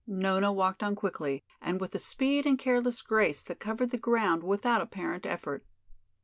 Nona walked on quickly and with a speed and careless grace that covered the ground without apparent effort.